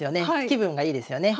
気分がいいですよね。